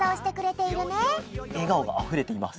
えがおがあふれています。